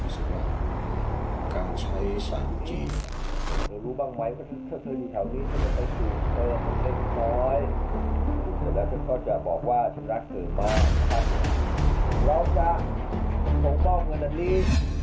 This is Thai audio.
สุดท้ายสุดท้ายสุดท้ายสุดท้ายสุดท้ายสุดท้ายสุดท้ายสุดท้ายสุดท้ายสุดท้ายสุดท้ายสุดท้ายสุดท้ายสุดท้ายสุดท้ายสุดท้ายสุดท้ายสุดท้ายสุดท้าย